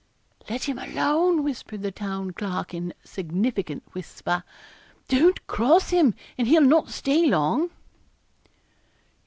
'Let him alone,' whispered the Town Clerk, in a significant whisper, 'don't cross him, and he'll not stay long.'